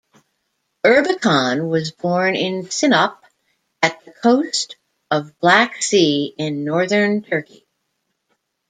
Erbakan was born in Sinop, at the coast of Black Sea in northern Turkey.